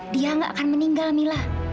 dia nggak akan meninggal mila